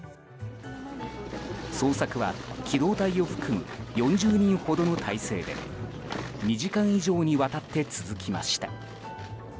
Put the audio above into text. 捜索は機動隊を含む４０人ほどの態勢で２時間以上にわたって続きました。